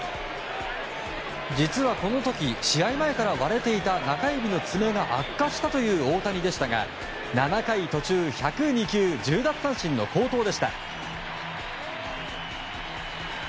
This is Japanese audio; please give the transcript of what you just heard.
実は、この時試合前から割れていた中指の爪が悪化したという大谷でしたが７回途中１０２球１０奪三振の好投でした。